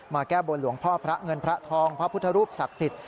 แก้บนหลวงพ่อพระเงินพระทองพระพุทธรูปศักดิ์สิทธิ